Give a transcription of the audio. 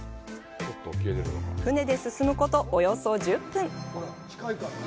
船で進むことおよそ１０分。